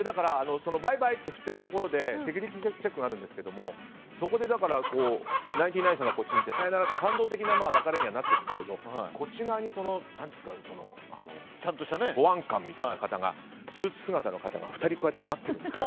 バイバイって振ってるところでセキュリティーチェックがあるんですけどそこでナインティナインさんがこっちにいて感動的な別れにはなってるんですけどこっち側にちゃんとした保安官みたいな方スーツ姿の方が２人、こうやって待ってるんです。